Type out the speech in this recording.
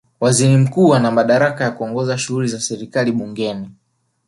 Waziri Mkuu ana madaraka ya kuongoza shughuli za serikali bungeni